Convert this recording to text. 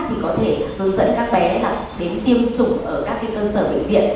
thì có thể hướng dẫn các bé đến tiêm chủng ở các cơ sở bệnh viện